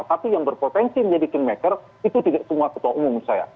tapi yang berpotensi menjadi kingmaker itu tidak semua ketua umum menurut saya